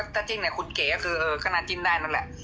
ถ้าจิ้มเนี่ยคุณเก๋ก็คือก็น่าจิ้นได้นั่นแหละ